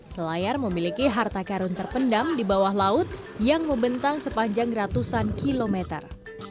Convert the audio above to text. selayar memiliki harta karun terpendam di bawah laut yang membentang sepanjang ratusan kilometer